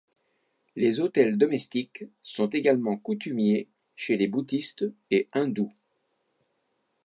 Les autels domestiques sont également coutumiers chez les bouddhistes et hindous.